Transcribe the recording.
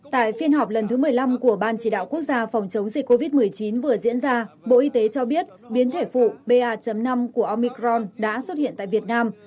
tại phiên họp lần thứ một mươi năm của ban chỉ đạo quốc gia phòng chống dịch covid một mươi chín vừa diễn ra bộ y tế cho biết biến thể phụ ba năm của omicron đã xuất hiện tại việt nam